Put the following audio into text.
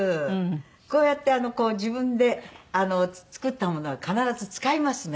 こうやって自分で作ったものは必ず使いますね。